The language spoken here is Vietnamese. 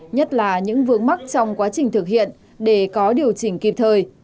nhất là những vướng mắc trong quá trình thực hiện để có điều chỉnh kịp thời